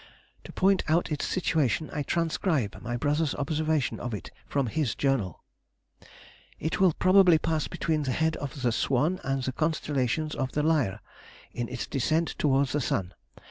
To point out its situation I transcribe my brother's observations of it from his journal. It will probably pass between the head of the Swan and the constellation of the Lyre, in its descent towards the sun.